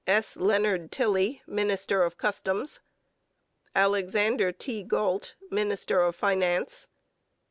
S. LEONARD TILLEY, Minister of Customs. ALEXANDER T. GALT, Minister of Finance.